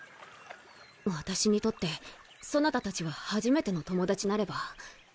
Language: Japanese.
私にとってそなたたちは初めての友達なれば。